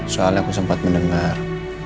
soalnya aku sempat mendengar